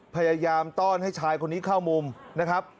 ต้อนให้ชายคนนี้เข้ามุมนะครับ